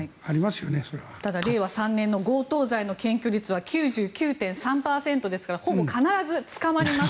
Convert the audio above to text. ただ、令和３年の強盗検挙率は９９．３％ですからほぼ必ず捕まります。